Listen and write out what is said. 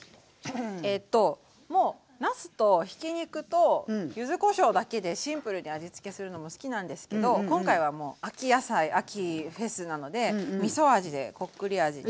えともうなすとひき肉と柚子こしょうだけでシンプルに味付けするのも好きなんですけど今回は秋野菜秋フェスなのでみそ味でこっくり味で。